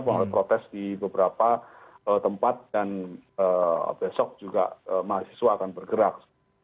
bahwa protes di beberapa tempat dan besok juga mahasiswa akan bergerak